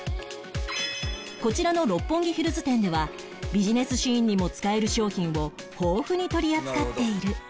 こちらの六本木ヒルズ店ではビジネスシーンにも使える商品を豊富に取り扱っている